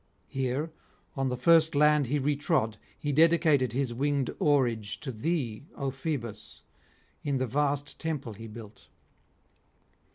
Here, on the first land he retrod, he dedicated his winged oarage to thee, O Phoebus, in the vast temple he built.